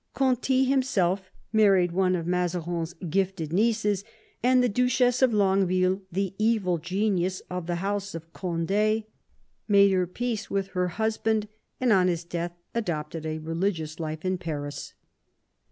Conti himself married one of Mazarines gifted nieces, and the Duchess of Longueville, the evil genius of the house of Cond^, made her peace with her husband, and on his death adopted a religious life in Paris.